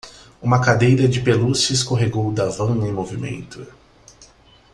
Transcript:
Uma cadeira de pelúcia escorregou da van em movimento.